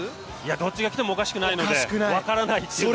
どっちがきてもおかしくないので分からないです。